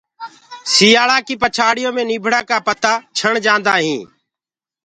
سيآݪآ ڪيٚ پڇاڙيو مي نيٚڀڙآ ڪآ متآ ڇڻ جآنٚدآ هينٚ